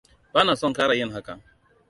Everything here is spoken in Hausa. Bana son ƙara yin hakan.